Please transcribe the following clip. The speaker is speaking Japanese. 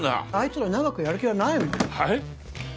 つら長くやる気はないもんはい？